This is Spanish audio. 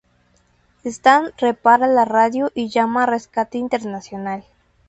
Stan repara la radio y llama a Rescate Internacional.